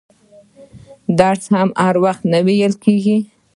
درس هر وخت نه ویل کیږي.